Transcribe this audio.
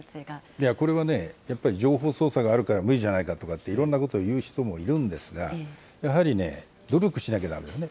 これはね、やっぱり情報操作があるから無理じゃないかとかって、いろんなこと言う人もいるんですが、やはりね、努力しなきゃだめよね。